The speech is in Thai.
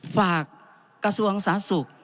ฝากกระทรวงสาธารณสุข